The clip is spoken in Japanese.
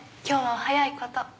今日はお早いこと。